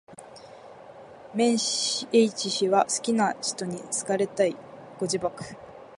綿 h 氏は好きな使途に好かれたい。ご自爆